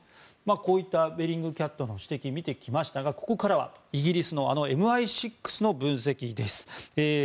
こういったベリングキャットの指摘を見てきましたがここからはイギリスのあのＭＩ６の分析です。